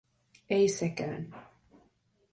Ei sekään.